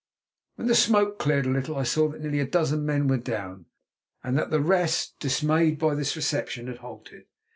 When the smoke cleared a little I saw that nearly a dozen men were down, and that the rest, dismayed by this reception, had halted.